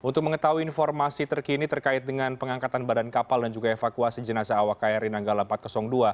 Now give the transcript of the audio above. untuk mengetahui informasi terkini terkait dengan pengangkatan badan kapal dan juga evakuasi jenazah awak kri nanggala empat ratus dua